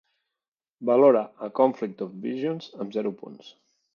Valora "A conflict of visions" amb zero punts